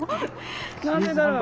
何でだろう？